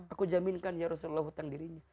aku jamin kan ya rasulullah hutang dirinya